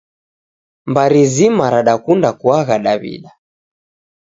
Mbari zima radakunda kuagha Daw'ida.